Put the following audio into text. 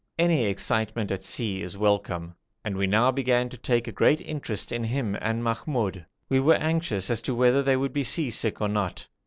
Any excitement at sea is welcome, so we now began to take a great interest in him and Mahmoud. We were quite anxious as to whether they would be sea sick or not.